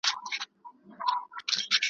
څوک د تورو له زخمونو پرزېدلي .